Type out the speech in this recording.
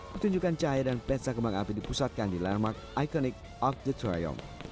petunjukan cahaya dan peta kembang api dipusatkan di landmark ikonik arc de triomphe